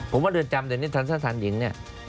ผมว่าเรือนจำแต่นี่ทางสรรค์สรรค์หญิง